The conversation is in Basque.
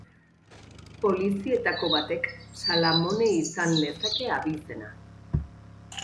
Polizietako batek Salamone izan lezake abizena.